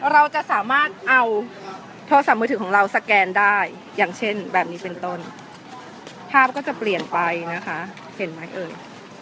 เราจะสามารถเอาโทรศัพท์มือถือของเราสแกนได้อย่างเช่นแบบนี้เป็นต้นภาพก็จะเปลี่ยนไปนะคะเห็นไหมเอ่ย